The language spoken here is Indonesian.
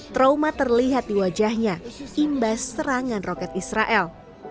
trauma terlihat di wajahnya imbas serangan roket israel